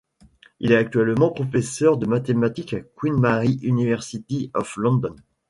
Il est actuellement professeur de mathématiques à Queen Mary University of London.